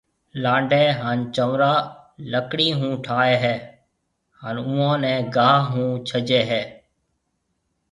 لانڊَي ھان چنورا لڪڙِي ھون ٺائيَ ھيََََ ھان اوئون نيَ گاھ ھون ڇجيَ ھيََََ